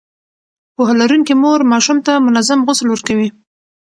پوهه لرونکې مور ماشوم ته منظم غسل ورکوي.